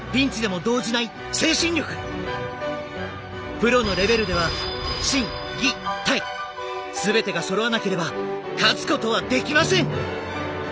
プロのレベルでは心技体全てがそろわなければ勝つことはできません！